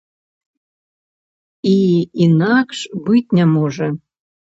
І інакш быць не можа.